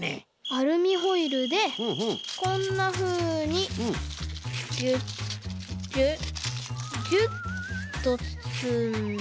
アルミホイルでこんなふうにキュッキュッキュッとつつんで。